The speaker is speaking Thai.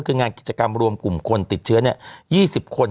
คืองานกิจกรรมรวมกลุ่มคนติดเชื้อ๒๐คน